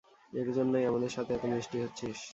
এর জন্যই আমাদের সাথে এতো মিষ্টি হচ্ছিস?